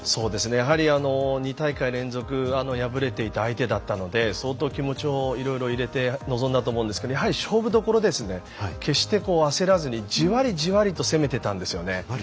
やはり２大会連続敗れていた相手だったので相当気持ちを、いろいろ入れて臨んだと思うんですがやはり勝負どころで決して焦らずにじわりじわりと攻めていったんですね。